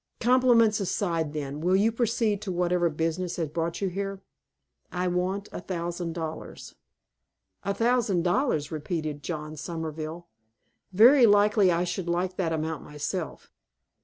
"Compliments aside, then, will you proceed to whatever business has brought you here?" "I want a thousand dollars." "A thousand dollars!" repeated John Somerville. "Very likely, I should like that amount myself.